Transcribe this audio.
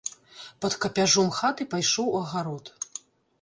Пад капяжом хаты пайшоў у агарод.